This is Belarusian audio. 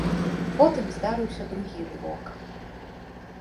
Потым здарыўся другі рывок.